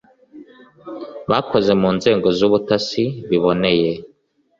bakoze mu nzego z'ubutasi biboneye